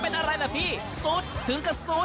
เป็นอะไรนะพี่สุดถึงกับสุด